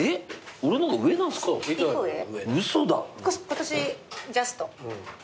今年ジャスト。